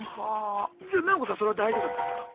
じゃあななこさんそれは大丈夫だったんすか？